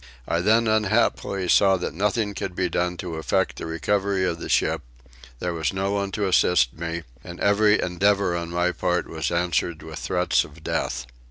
I then unhappily saw that nothing could be done to effect the recovery of the ship: there was no one to assist me, and every endeavour on my part was answered with threats of death.